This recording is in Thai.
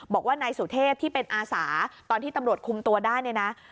บอกว่านายสุเทพที่เป็นอาสาตอนที่ตำรวจคุมตัวได้เนี่ยนะ